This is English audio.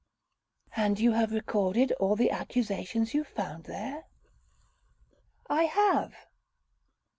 'And you have recorded all the accusations you found there?' 'I have.'